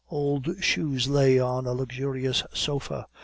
Old shoes lay on a luxurious sofa.